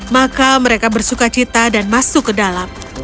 maka mereka bersuka cita dan masuk ke dalam